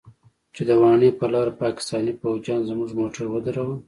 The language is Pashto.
چې د واڼې پر لاره پاکستاني فوجيانو زموږ موټر ودراوه.